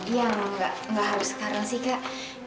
iya gak harus sekarang sih kak